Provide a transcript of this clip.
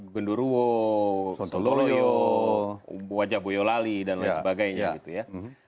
genduruwo sontoroyo wajah boyolali dan lain sebagainya gitu ya